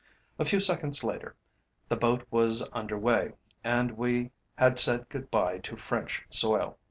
A few seconds later the boat was under weigh and we had said good bye to French soil.